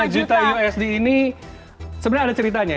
enam puluh lima juta usd ini sebenarnya ada ceritanya